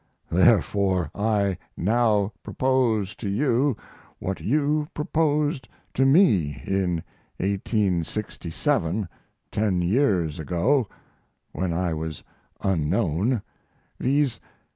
Therefore, I now propose to you what you proposed to me in 1867, ten years ago (when I was unknown) viz.